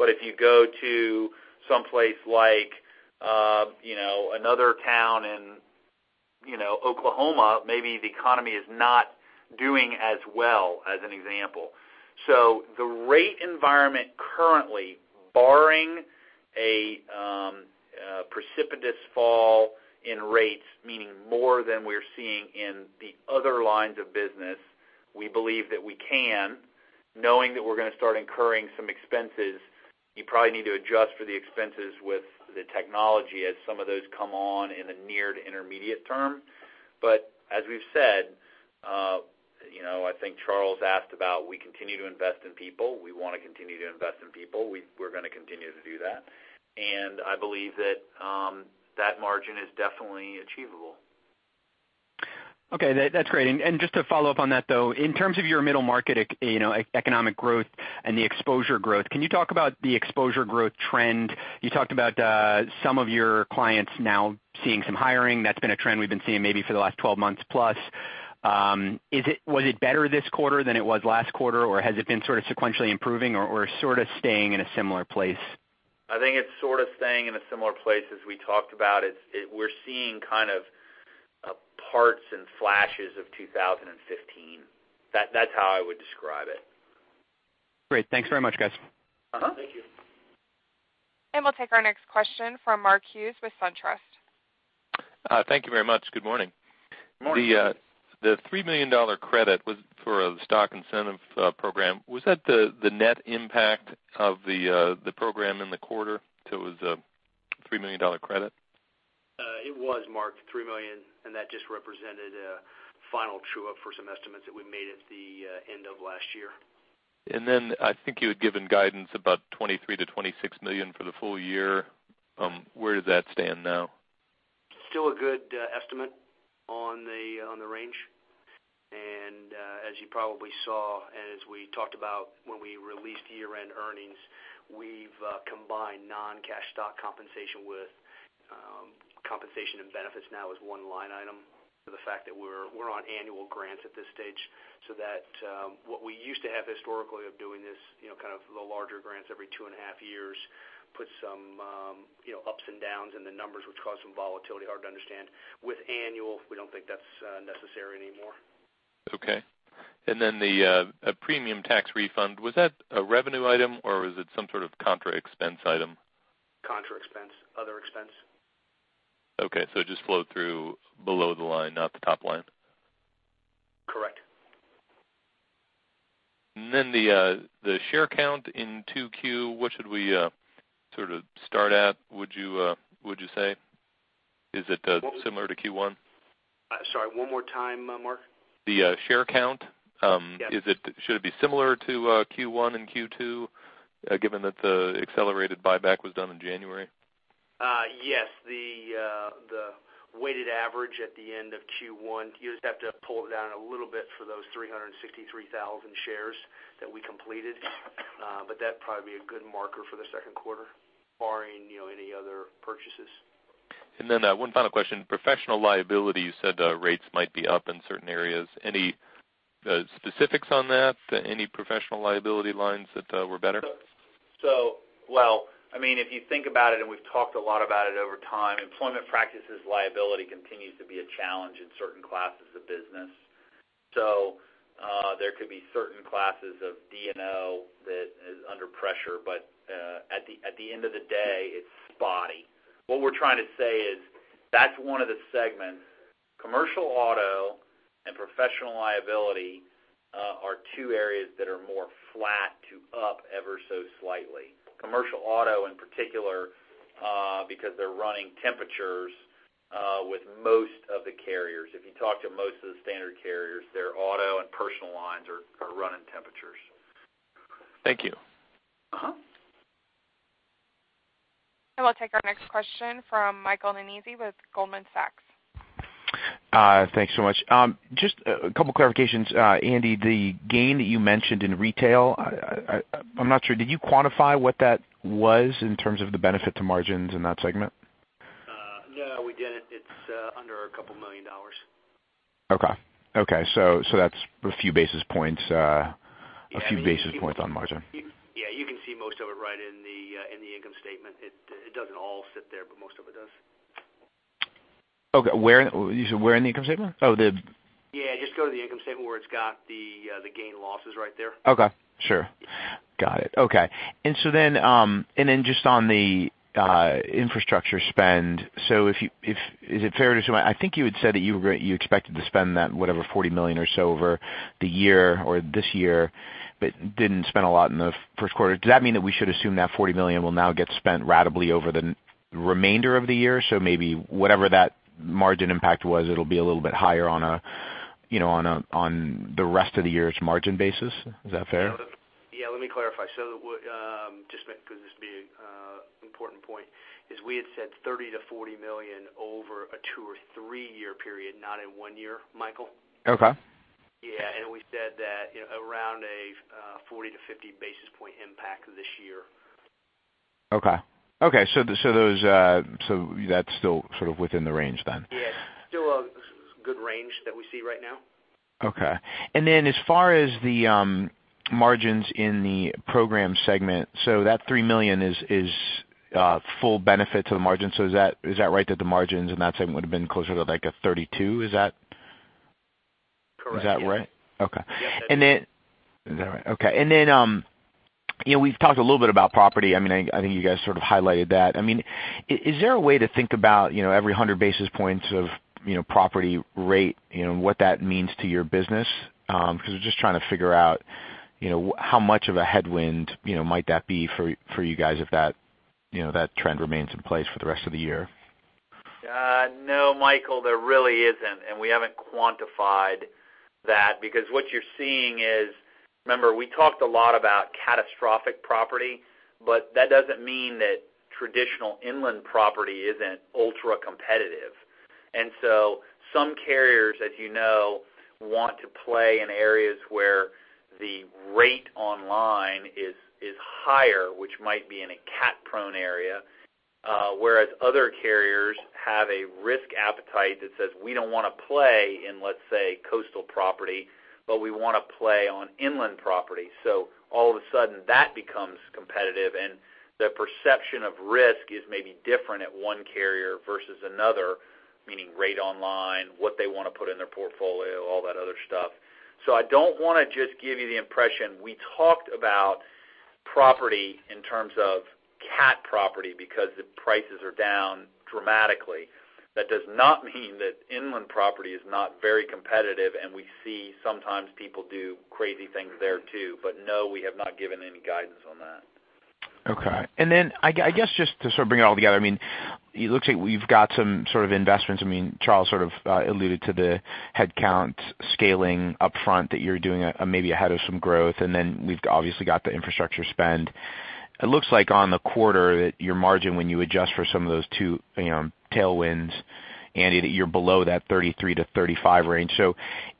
If you go to someplace like another town in Oklahoma, maybe the economy is not doing as well, as an example. The rate environment currently, barring a precipitous fall in rates, meaning more than we're seeing in the other lines of business, we believe that we can, knowing that we're going to start incurring some expenses. You probably need to adjust for the expenses with the technology as some of those come on in the near to intermediate term. As we've said, I think Charles asked about we continue to invest in people. We want to continue to invest in people. We're going to continue to do that. I believe that that margin is definitely achievable. Okay. That's great. Just to follow up on that, though, in terms of your middle market economic growth and the exposure growth, can you talk about the exposure growth trend? You talked about some of your clients now seeing some hiring. That's been a trend we've been seeing maybe for the last 12 months plus. Was it better this quarter than it was last quarter, or has it been sequentially improving or sort of staying in a similar place? I think it's sort of staying in a similar place as we talked about. We're seeing parts and flashes of 2015. That's how I would describe it. Great. Thanks very much, guys. Thank you. We'll take our next question from Mark Hughes with SunTrust. Thank you very much. Good morning. Good morning. The $3 million credit was for a stock incentive program. Was that the net impact of the program in the quarter until it was a $3 million credit? It was, Mark, $3 million. That just represented a final true up for some estimates that we made at the end of last year. I think you had given guidance about $23 million-$26 million for the full year. Where does that stand now? Still a good estimate on the range. As you probably saw, and as we talked about when we released year-end earnings, we've combined non-cash stock compensation with compensation and benefits now as one line item for the fact that we're on annual grants at this stage. That what we used to have historically of doing this, kind of the larger grants every two and a half years, put some ups and downs in the numbers, which caused some volatility, hard to understand. With annual, we don't think that's necessary anymore. Okay. Then the premium tax refund, was that a revenue item or was it some sort of contra expense item? Contra expense. Other expense. Okay, it just flowed through below the line, not the top line? Correct. The share count in 2Q, what should we sort of start at, would you say? Is it similar to Q1? Sorry, one more time, Mark. The share count- Yeah should it be similar to Q1 and Q2, given that the accelerated buyback was done in January? Yes. The weighted average at the end of Q1, you just have to pull it down a little bit for those 363,000 shares that we completed. That'd probably be a good marker for the second quarter, barring any other purchases. One final question. Professional liability, you said rates might be up in certain areas. Any specifics on that? Any professional liability lines that were better? Well, if you think about it, we've talked a lot about it over time, employment practices liability continues to be a challenge in certain classes of business. There could be certain classes of D&O that is under pressure. At the end of the day, it's spotty. What we're trying to say is that's one of the segments. Commercial auto and professional liability are two areas that are more flat to up ever so slightly. Commercial auto in particular because they're running temperatures with most of the carriers. If you talk to most of the standard carriers, their auto and personal lines are running temperatures. Thank you. We'll take our next question from Michael Nannizzi with Goldman Sachs. Thanks so much. Just a couple clarifications. Andy, the gain that you mentioned in retail, I'm not sure, did you quantify what that was in terms of the benefit to margins in that segment? No, we didn't. It's under a couple million dollars. Okay. That's a few basis points on margin. You can see most of it right in the income statement. It doesn't all sit there, but most of it does. You said where in the income statement? Just go to the income statement where it's got the gain losses right there. Okay. Sure. Got it. Okay. Just on the infrastructure spend, I think you had said that you expected to spend that whatever $40 million or so over the year or this year, but didn't spend a lot in the first quarter. Does that mean that we should assume that $40 million will now get spent ratably over the remainder of the year? Maybe whatever that margin impact was, it'll be a little bit higher on the rest of the year's margin basis, is that fair? Yeah, let me clarify. This would be an important point, is we had said $30 million-$40 million over a two or three-year period, not in one year, Michael. Okay. Yeah. We said that around a 40-50 basis point impact this year. Okay. That's still sort of within the range then? Yes. Still a good range that we see right now. Okay. As far as the margins in the program segment, that $3 million is full benefit to the margin. Is that right, that the margins in that segment would've been closer to like a 32%? Is that right? Correct. Yeah. Okay. Yes, that is. Is that right? Okay. We've talked a little bit about property. I think you guys sort of highlighted that. Is there a way to think about every 100 basis points of property rate, what that means to your business? Because we're just trying to figure out how much of a headwind might that be for you guys if that trend remains in place for the rest of the year. No, Michael, there really isn't. We haven't quantified that because what you're seeing is, remember, we talked a lot about catastrophic property, but that doesn't mean that traditional inland property isn't ultra-competitive. Some carriers, as you know, want to play in areas where the rate online is higher, which might be in a cat prone area. Whereas other carriers have a risk appetite that says, we don't want to play in, let's say, coastal property, but we want to play on inland property. All of a sudden that becomes competitive and the perception of risk is maybe different at one carrier versus another, meaning rate online, what they want to put in their portfolio, all that other stuff. I don't want to just give you the impression. We talked about property in terms of cat property because the prices are down dramatically. That does not mean that inland property is not very competitive, and we see sometimes people do crazy things there too. No, we have not given any guidance on that. Okay. I guess, just to sort of bring it all together, it looks like you've got some sort of investments. Charles sort of alluded to the headcount scaling upfront that you're doing maybe ahead of some growth. We've obviously got the infrastructure spend. It looks like on the quarter that your margin, when you adjust for some of those two tailwinds, Andy, that you're below that 33-35 range.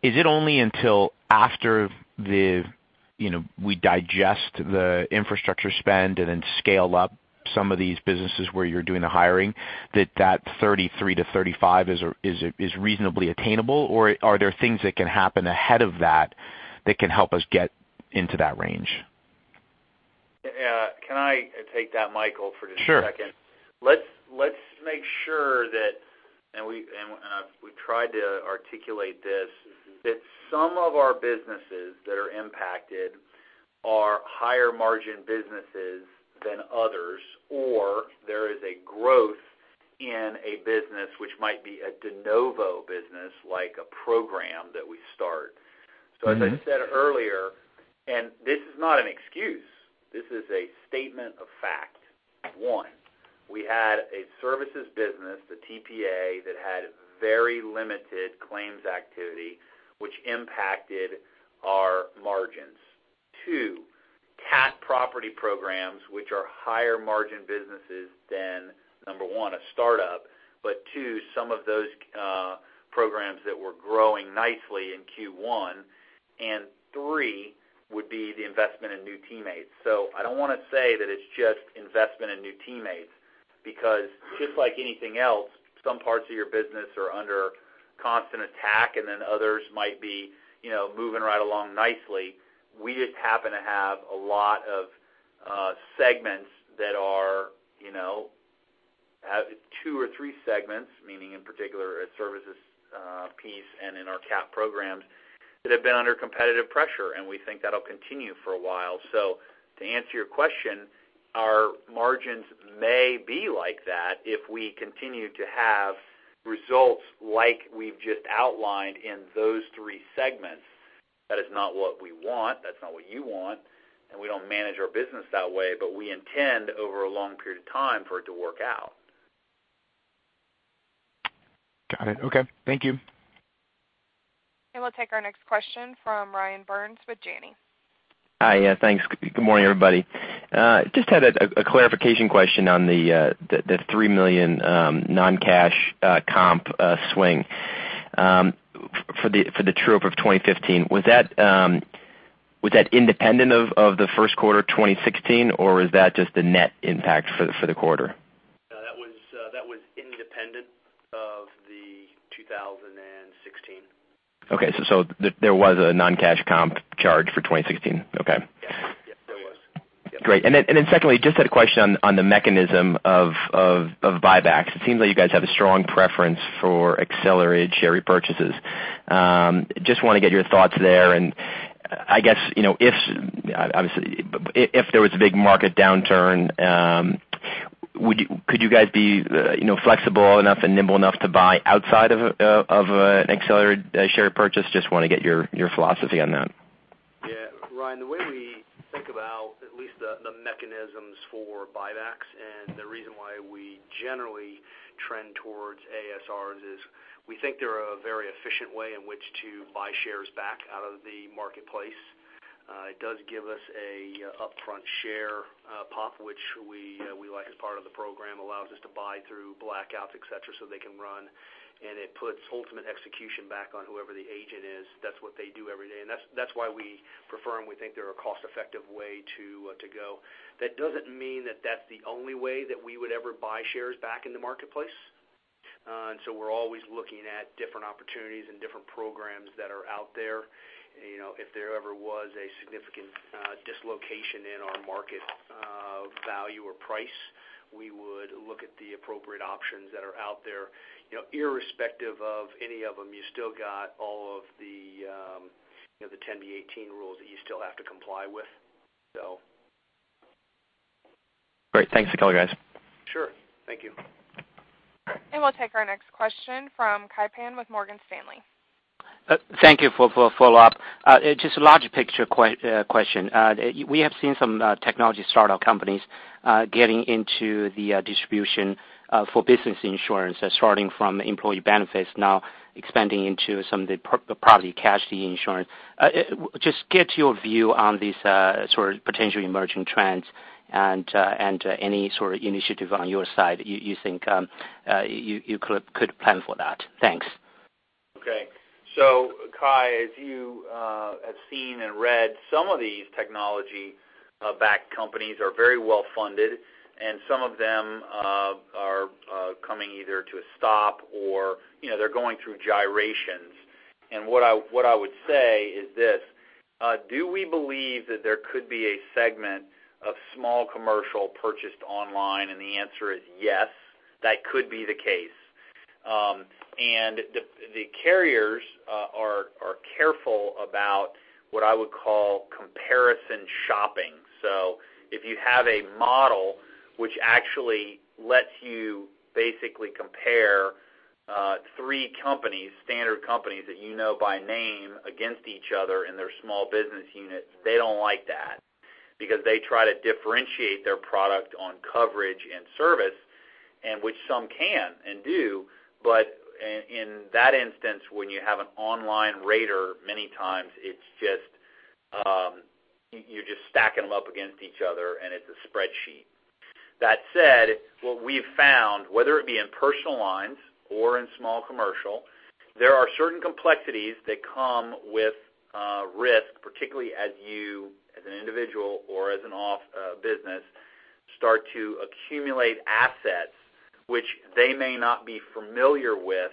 Is it only until after we digest the infrastructure spend and then scale up some of these businesses where you're doing the hiring, that that 33-35 is reasonably attainable, or are there things that can happen ahead of that can help us get into that range? Can I take that, Michael, for just a second? Sure. Let's make sure that, and we've tried to articulate this, that some of our businesses that are impacted are higher margin businesses than others, or there is a growth in a business which might be a de novo business, like a program that we start. As I said earlier, and this is not an excuse, this is a statement of fact. One, we had a services business, the TPA, that had very limited claims activity, which impacted our margins. Two, cat property programs, which are higher margin businesses than, number one, a startup, but two, some of those programs that were growing nicely in Q1. Three, would be the investment in new teammates. I don't want to say that it's just investment in new teammates, because just like anything else, some parts of your business are under constant attack, and then others might be moving right along nicely. We just happen to have two or three segments, meaning in particular a services piece and in our cat programs, that have been under competitive pressure, and we think that'll continue for a while. To answer your question, our margins may be like that if we continue to have results like we've just outlined in those three segments. That is not what we want. That's not what you want, and we don't manage our business that way, but we intend over a long period of time for it to work out. Got it. Okay. Thank you. We'll take our next question from Ryan Burns with Janney. Hi. Thanks. Good morning, everybody. Just had a clarification question on the $3 million non-cash comp swing for the true up of 2015. Was that independent of the first quarter 2016, or was that just the net impact for the quarter? That was independent of the 2016. Okay. There was a non-cash comp charge for 2016. Okay. Yes. There was. Yep. Great. Then secondly, just had a question on the mechanism of buybacks. It seems like you guys have a strong preference for accelerated share repurchases. Just want to get your thoughts there, I guess, obviously, if there was a big market downturn, could you guys be flexible enough and nimble enough to buy outside of an accelerated share purchase? Just want to get your philosophy on that. Generally trend towards ASRs is we think they're a very efficient way in which to buy shares back out of the marketplace. It does give us an upfront share pop, which we like as part of the program, allows us to buy through blackouts, et cetera, so they can run, it puts ultimate execution back on whoever the agent is. That's what they do every day. That's why we prefer them. We think they're a cost-effective way to go. That doesn't mean that that's the only way that we would ever buy shares back in the marketplace. So we're always looking at different opportunities and different programs that are out there. If there ever was a significant dislocation in our market value or price, we would look at the appropriate options that are out there. Irrespective of any of them, you still got all of the 10b-18 rules that you still have to comply with. Great. Thanks a lot, guys. Sure. Thank you. We'll take our next question from Kai Pan with Morgan Stanley. Thank you for the follow-up. Just a larger picture question. We have seen some technology startup companies getting into the distribution for Business Insurance, starting from employee benefits, now expanding into some of the property casualty insurance. Just get your view on these sort of potentially emerging trends and any sort of initiative on your side you think you could plan for that. Thanks. Kai, as you have seen and read, some of these technology-backed companies are very well-funded, and some of them are coming either to a stop or they're going through gyrations. What I would say is this, do we believe that there could be a segment of small commercial purchased online? The answer is yes, that could be the case. The carriers are careful about what I would call comparison shopping. If you have a model which actually lets you basically compare three companies, standard companies that you know by name against each other in their small business units, they don't like that because they try to differentiate their product on coverage and service, and which some can and do. In that instance, when you have an online rater, many times you're just stacking them up against each other, and it's a spreadsheet. That said, what we've found, whether it be in personal lines or in small commercial, there are certain complexities that come with risk, particularly as you, as an individual or as an business, start to accumulate assets, which they may not be familiar with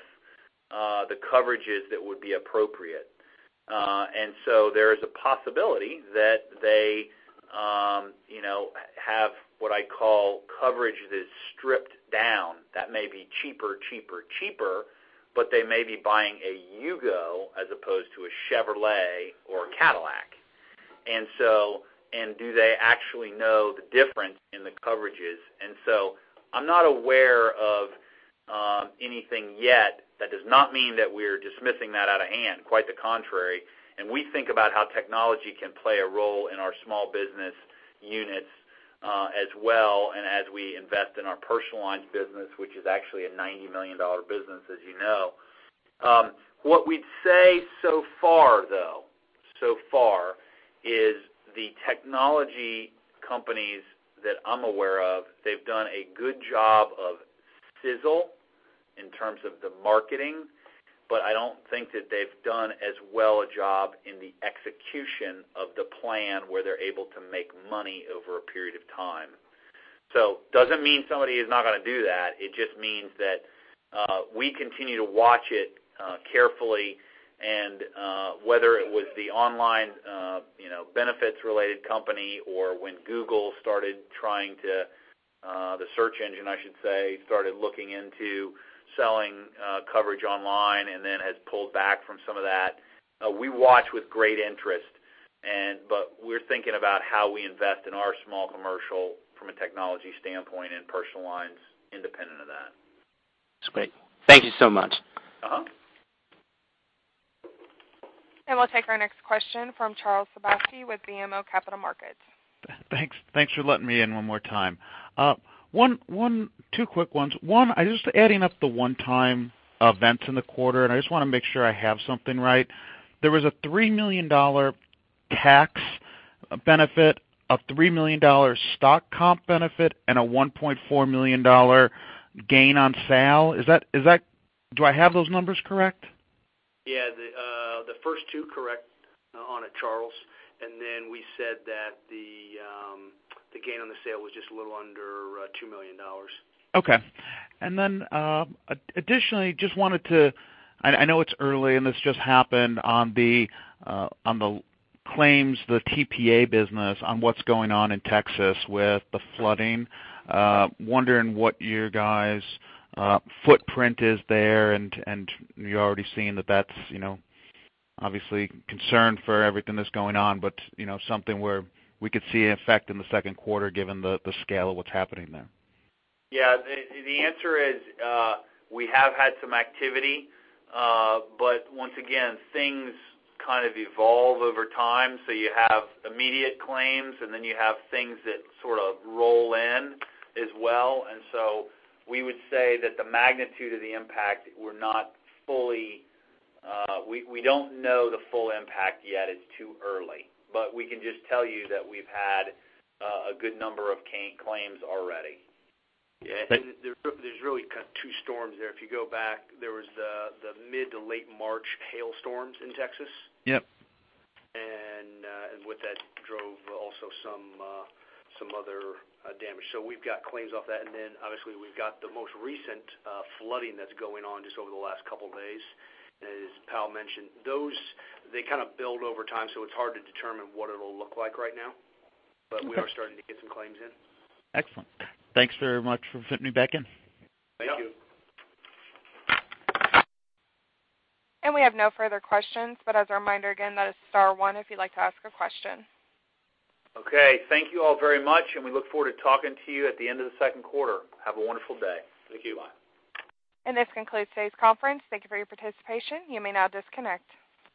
the coverages that would be appropriate. There is a possibility that they have what I call coverage that is stripped down that may be cheaper. They may be buying a Yugo as opposed to a Chevrolet or a Cadillac. Do they actually know the difference in the coverages? I'm not aware of anything yet. That does not mean that we're dismissing that out of hand. Quite the contrary. We think about how technology can play a role in our small business units as well, and as we invest in our personal lines business, which is actually a $90 million business, as you know. What we'd say so far, though, so far, is the technology companies that I'm aware of, they've done a good job of sizzle in terms of the marketing, but I don't think that they've done as well a job in the execution of the plan where they're able to make money over a period of time. It doesn't mean somebody is not going to do that. It just means that we continue to watch it carefully, and whether it was the online benefits related company or when Google started trying to, the search engine, I should say, started looking into selling coverage online and then has pulled back from some of that. We watch with great interest, but we're thinking about how we invest in our small commercial from a technology standpoint and personal lines independent of that. That's great. Thank you so much. We'll take our next question from Charles Sebaski with BMO Capital Markets. Thanks for letting me in one more time. Two quick ones. One, I'm just adding up the one-time events in the quarter, I just want to make sure I have something right. There was a $3 million tax benefit, a $3 million stock comp benefit, and a $1.4 million gain on sale. Do I have those numbers correct? Yeah. The first two, correct on it, Charles. Then we said that the gain on the sale was just a little under $2 million. Okay. Additionally, I know it's early and this just happened on the claims, the TPA business on what's going on in Texas with the flooding. Wondering what your guys' footprint is there, and you're already seeing that that's obviously concern for everything that's going on, but something where we could see an effect in the second quarter given the scale of what's happening there. Yeah. The answer is we have had some activity. Once again, things kind of evolve over time. You have immediate claims, and then you have things that sort of roll in as well. We would say that the magnitude of the impact, we don't know the full impact yet. It's too early. We can just tell you that we've had a good number of claims already. Yeah. There's really kind of two storms there. If you go back, there was the mid to late March hailstorms in Texas. Yep. With that drove also some other damage. We've got claims off that. Obviously we've got the most recent flooding that's going on just over the last couple of days. As Powell mentioned, those, they kind of build over time, it's hard to determine what it'll look like right now. Okay. We are starting to get some claims in. Excellent. Thanks very much for fitting me back in. Thank you. Yep. We have no further questions. As a reminder, again, that is star one if you'd like to ask a question. Okay. Thank you all very much, and we look forward to talking to you at the end of the second quarter. Have a wonderful day. Thank you. Bye. This concludes today's conference. Thank you for your participation. You may now disconnect.